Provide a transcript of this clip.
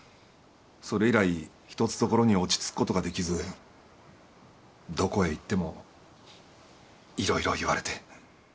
それ以来一つ所に落ち着くことができずどこへ行っても色々言われて